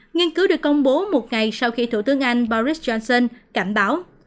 nghiên cứu được công bố một ngày sau khi thủ tướng anh boris johnson cảnh báo